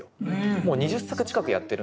もう２０作近くやってるんで。